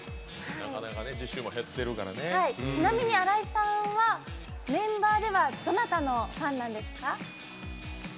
ちなみに新井さんはメンバーではどなたのファンなんですか。